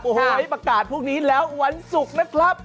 โอ้โหประกาศพวกนี้แล้ววันศุกร์นะครับ